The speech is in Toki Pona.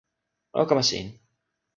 o kama sin.